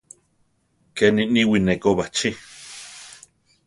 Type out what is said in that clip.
Keni niwí neko bachí.